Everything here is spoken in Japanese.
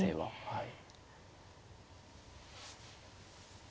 はい。